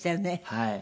はい。